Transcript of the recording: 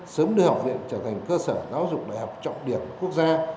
sớm đưa học viện trở thành cơ sở giáo dục đại học trọng điểm của quốc gia